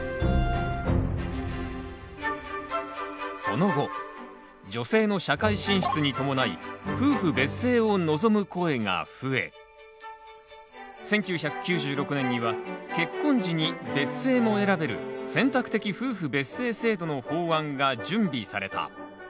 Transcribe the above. その後女性の社会進出に伴い夫婦別姓を望む声が増え１９９６年には結婚時に別姓も選べる選択的夫婦別姓制度の法案が準備された。